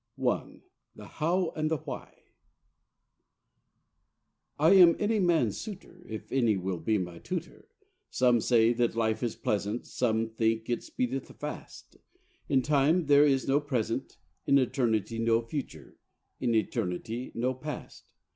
] I =The 'How' and the 'Why'= I am any man's suitor, If any will be my tutor: Some say this life is pleasant, Some think it speedeth fast: In time there is no present, In eternity no future, In eternity no past.